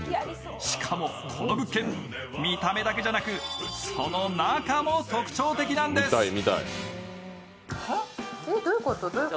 しかも、この物件、見た目だけじゃなく、その中も特徴的なんです。